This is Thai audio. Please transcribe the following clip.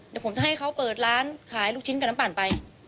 เดี๋ยวผมจะให้เขาเปิดร้านขายลูกชิ้นกับน้ำปั่นไป